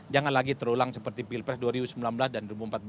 jangan lagi terulang seperti pilpres dua ribu sembilan belas dan dua ribu empat belas